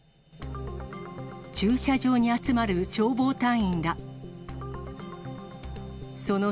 駐車場に集まる消防隊員ら。